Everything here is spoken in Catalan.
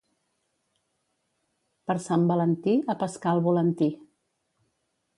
Per Sant Valentí, a pescar al volantí.